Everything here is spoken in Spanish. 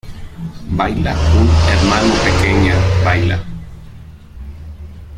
Baila un hermano pequeña, baila